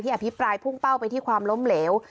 อภิปรายพุ่งเป้าไปที่ความล้มเหลว